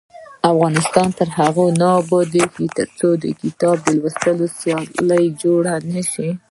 افغانستان تر هغو نه ابادیږي، ترڅو د کتاب لوستلو سیالۍ جوړې نشي.